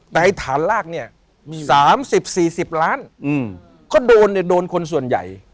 แต่ไอ้ฐานลากเนี่ยสามสิบสี่สิบล้านอืมก็โดนเนี่ยโดนคนส่วนใหญ่